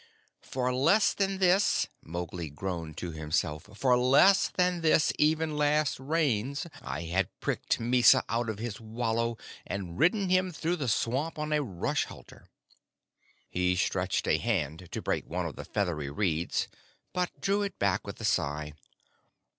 "For less than this," Mowgli groaned to himself "for less than this even last Rains I had pricked Mysa out of his wallow, and ridden him through the swamp on a rush halter." He stretched a hand to break one of the feathery reeds, but drew it back with a sigh.